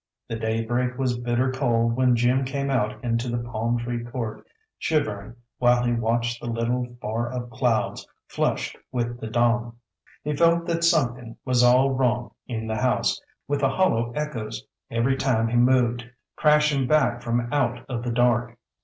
The daybreak was bitter cold when Jim came out into the palm tree court, shivering while he watched the little, far up clouds flushed with the dawn. He felt that something was all wrong in the house, with the hollow echoes, every time he moved, crashing back from out of the dark.